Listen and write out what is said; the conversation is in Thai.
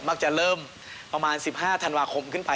จะเริ่มประมาณ๑๕ธันวาคมขึ้นไป